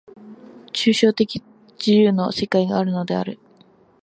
抽象的自由の世界があるのである。